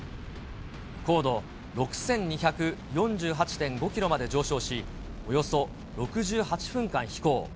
高度６２４８．５キロまで上昇し、およそ６８分間飛行。